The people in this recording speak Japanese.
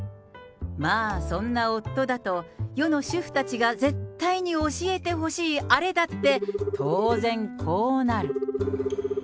まあ、そんな夫だと、世の主婦たちが絶対に教えてほしいあれだって、当然こうなる。